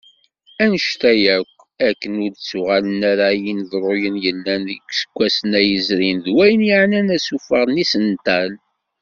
Annect-a yakk, akken ur d-ttuɣalen ara yineḍruyen yellan deg yiseggasen-a yezrin, d wayen yeɛnan asuffeɣ n yisental.